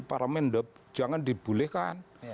parlemen jangan dibolehkan